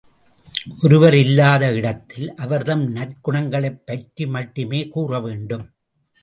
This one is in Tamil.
ஒருவர் இல்லாத இடத்தில் அவர்தம் நற்குணங்களைப் பற்றி மட்டுமே கூறவேண்டும்.